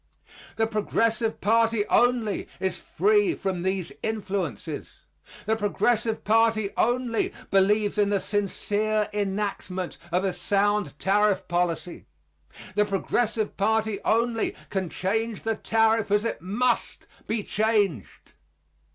The Progressive party only is free from these influences. The Progressive party only believes in the sincere enactment of a sound tariff policy. The Progressive party only can change the tariff as it must be changed.